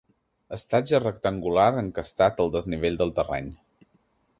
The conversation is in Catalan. Estatge rectangular encastat al desnivell del terreny.